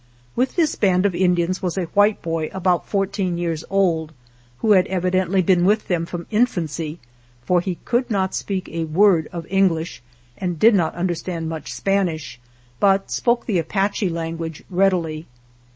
With this band of Indians was a white boy about fourteen years old, who had evi dently been with them from infancy, for he could not speak a word of English, and did not understand much Spanish, but spoke the Apache language readily.